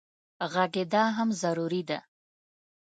غږېدا هم ضروري ده.